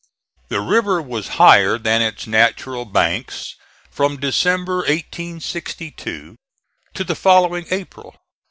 The river was higher than its natural banks from December, 1862, to the following April.